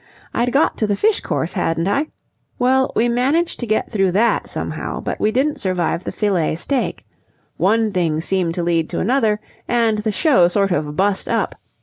I'd got to the fish course, hadn't I? Well, we managed to get through that somehow, but we didn't survive the fillet steak. One thing seemed to lead to another, and the show sort of bust up.